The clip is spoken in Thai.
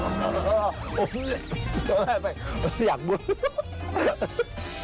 ก็แรงไปอยากบุน